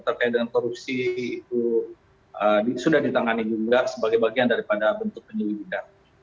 terkait dengan korupsi itu sudah ditangani juga sebagai bagian daripada bentuk penyelidikan